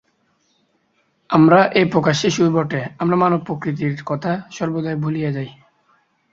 আমরা এই প্রকার শিশুই বটে! আমরা মানব-প্রকৃতির কথা সর্বদাই ভুলিয়া যাই।